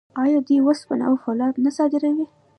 آیا دوی وسپنه او فولاد نه صادروي؟